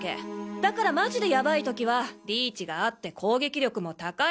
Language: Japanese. だからマジでヤバい時はリーチがあって攻撃力も高い。